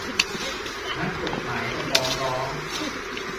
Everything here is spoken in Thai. นักกฎหมายจะฟ้องร้อง